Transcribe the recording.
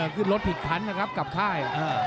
คือรถผิดพันธุ์นะครับกลับค่าย